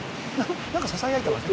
何かささやいてます？